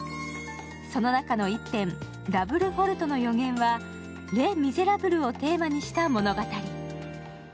その中の１編「ダブルフォルトの予言」は「レ・ミゼラブル」をテーマにした物語。